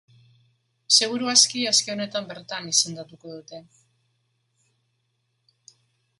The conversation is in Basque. Seguru aski, aste honetan bertan izendatuko dute.